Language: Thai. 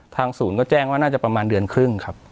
ศูนย์ก็แจ้งว่าน่าจะประมาณเดือนครึ่งครับ